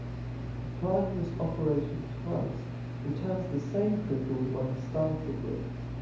Applying this operation twice returns the same triple one started with.